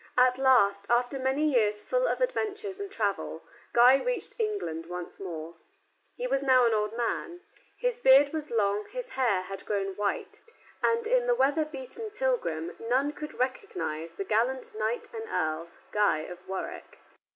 At last, after many years full of adventures and travel, Guy reached England once more. He was now an old man. His beard was long, his hair had grown white, and in the weather beaten pilgrim none could recognize the gallant knight and earl, Guy of Warwick.